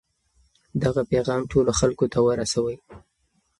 دغه پیغام ټولو خلکو ته ورسوئ.